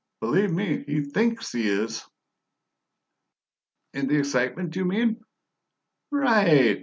Bullieve me, he THINKS he is!" "In the excitement, you mean?"